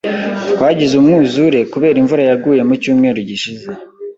Twagize umwuzure kubera imvura yaguye mucyumweru gishize.